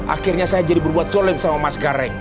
akhirnya saya jadi berbuat solem sama mas gareng